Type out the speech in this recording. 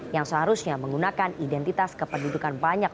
yang seharusnya menggunakan identitas kependudukan banyak